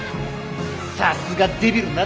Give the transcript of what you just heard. さすがデビル夏香。